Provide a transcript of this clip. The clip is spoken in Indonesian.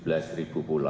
terima kasih banyak buddha